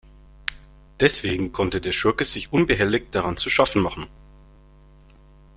Deswegen konnte der Schurke sich unbehelligt daran zu schaffen machen.